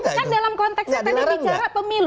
kan dalam konteksnya tadi bicara pemilu